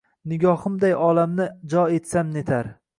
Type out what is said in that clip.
Nigohimday olamni jo etsam netar